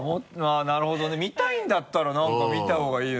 なるほどね見たいんだったらなんか見た方がいいよ。